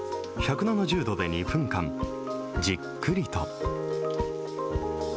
１７０度で２分間、じっくりと。